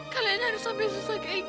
kalian harus sampe susah kayak gitu